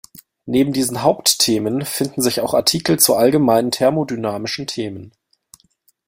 Neben diesen Hauptthemen finden sich auch Artikel zu allgemeinen thermodynamischen Themen.